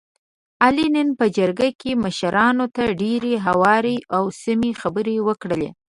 علي نن په جرګه کې مشرانو ته ډېرې هوارې او سمې خبرې وکړلې.